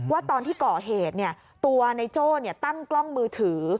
ว่าตอนที่ก่อเหตุตัวในโจ้ตั้งกล้องมือถือ